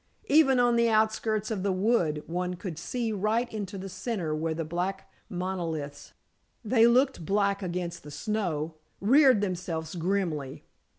Even on the outskirts of the wood one could see right into the centre where the black monoliths they looked black against the snow reared themselves grimly.